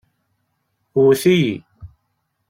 Wwet-iyi.